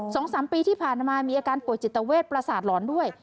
สองสามปีที่ผ่านมามีอาการป่วยจิตเวทประสาทหลอนด้วย